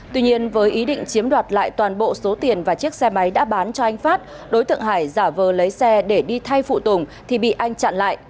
tuy nhiên với ý định chiếm đoạt lại toàn bộ số tiền và chiếc xe máy đã bán cho anh phát đối tượng hải giả vờ lấy xe để đi thay phụ tùng thì bị anh chặn lại